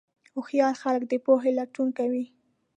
هوښیار خلک د پوهې لټون کوي.